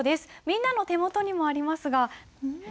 みんなの手元にもありますが。